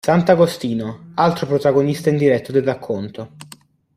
Sant'Agostino: altro protagonista indiretto del racconto.